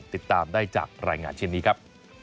ติดตามได้จากรายงานเช่นนี้ครับ